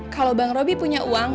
kalau bang roby punya uang